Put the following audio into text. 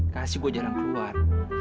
kasih gue jarang keluar